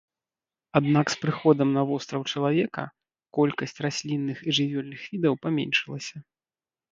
Аднак з прыходам на востраў чалавека колькасць раслінных і жывёльных відаў паменшылася.